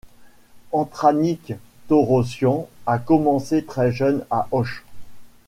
Antranik Torossian a commencé très jeune à Auch.